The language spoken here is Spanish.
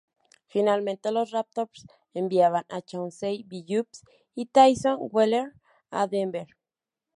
Finalmente, los Raptors enviaban a Chauncey Billups y Tyson Wheeler a Denver.